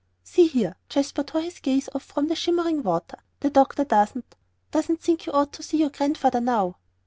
"See here," Jasper tore his gaze off from the shimmering water. "The doctor doesn't doesn't think you ought to see your Grandfather now."